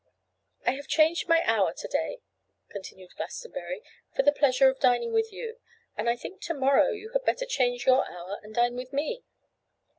'I have changed my hour to day,' continued Glastonbury, 'for the pleasure of dining with you, and I think to morrow you had better change your hour and dine with me.